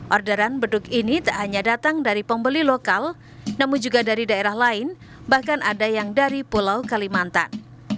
orderan beduk ini tak hanya datang dari pembeli lokal namun juga dari daerah lain bahkan ada yang dari pulau kalimantan